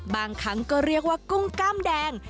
บางครั้งก็เรียกว่ากุ้งกล้ามแดง